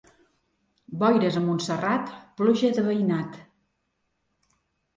Boires a Montserrat, pluja de veïnat.